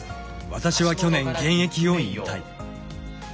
私は去年現役を引退。